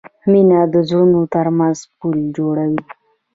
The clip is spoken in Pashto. مینه د زړونو ترمنځ پل جوړوي.